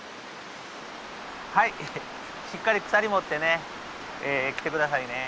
はいしっかり鎖持ってね来て下さいね。